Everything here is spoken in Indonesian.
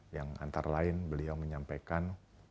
yang antara lain beliau menyampaikan